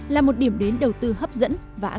là một điểm đến đầu tư hấp dẫn và an toàn